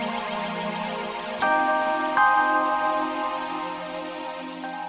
terus ngelakuin tiga anak kita